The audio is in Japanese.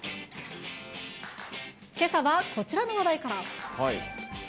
けさはこちらの話題から。